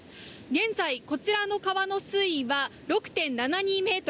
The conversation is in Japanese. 現在、こちらの川の水位は６．７２ｍ。